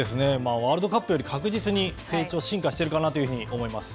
ワールドカップより確実に成長、進化しているかなというふうに思います。